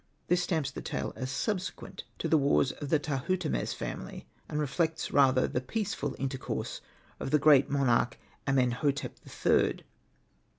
This stamps the tale as sub sequent to the wars of the Tahutimes family, and reflects rather the peaceful intercourse of the great monarch Amenhotep the Third.